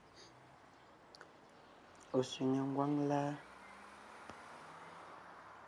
Ɔ̀ sẅiŋe ngwáŋ láa?